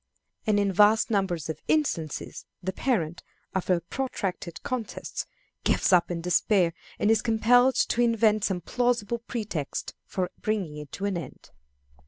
And in vast numbers of instances, the parent, after a protracted contest, gives up in despair, and is compelled to invent some plausible pretext for bringing it to an end.